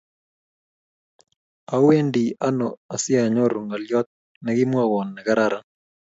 Awendi ano asianyoru ngolyot negimwawon negararan